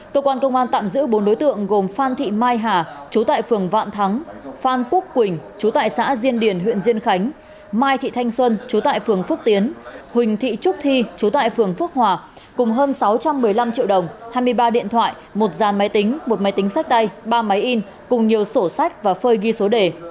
tổ quản công an tạm giữ bốn đối tượng gồm phan thị mai hà chú tại phường vạn thắng phan quốc quỳnh chú tại xã diên điền huyện diên khánh mai thị thanh xuân chú tại phường phước tiến huỳnh thị trúc thi chú tại phường phước hòa cùng hơn sáu trăm một mươi năm triệu đồng hai mươi ba điện thoại một gian máy tính một máy tính sách tay ba máy in cùng nhiều sổ sách và phơi ghi số đề